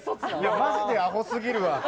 マジでアホ過ぎるわ。